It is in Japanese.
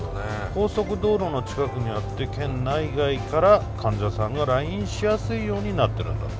高速道路の近くにあって県内外から患者さんが来院しやすいようになってるんだって。